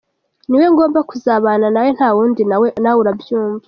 Ni we ngomba kuzabana na we nta wundi na we urabyumva”.